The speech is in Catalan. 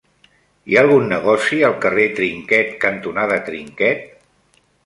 Hi ha algun negoci al carrer Trinquet cantonada Trinquet?